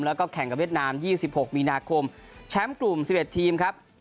แล้วก็แข่งกับเวียดนาม๒๖มีนาคมแชมป์กลุ่ม๑๑ทีมครับ